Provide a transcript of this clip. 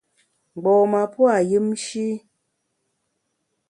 Mgbom-a pua’ yùmshi.